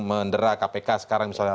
menderah kpk sekarang misalnya